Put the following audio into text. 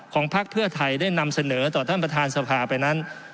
พักเพื่อไทยได้นำเสนอต่อท่านประธานสภาไปนั้น